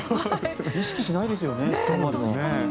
意識しないですよね。